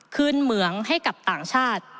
เหมืองให้กับต่างชาติ